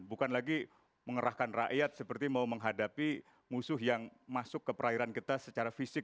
bukan lagi mengerahkan rakyat seperti mau menghadapi musuh yang masuk ke perairan kita secara fisik